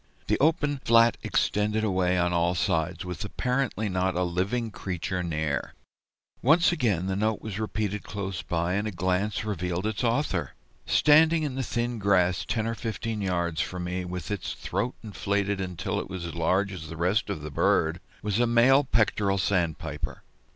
The open flat extended away on all sides, with apparently not a living creature near. Once again the note was repeated close by, and a glance revealed its author. Standing in the thin grass ten or fifteen yards from me, with its throat inflated until it was as large as the rest of the bird, was a male Pectoral Sandpiper.